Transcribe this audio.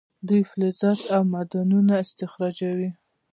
دوی فلزات او معدنونه استخراجوي.